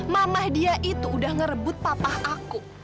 mama dia itu udah ngerebut papa aku